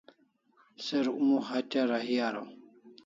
Se Rukmu hatya rahi araw